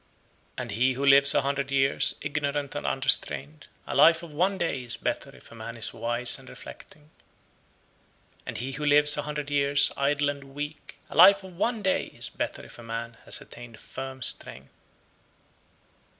111. And he who lives a hundred years, ignorant and unrestrained, a life of one day is better if a man is wise and reflecting. 112. And he who lives a hundred years, idle and weak, a life of one day is better if a man has attained firm strength.